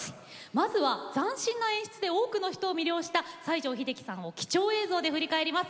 まずは斬新な演出で多くの人を魅了した西城秀樹さんを貴重映像で振り返ります。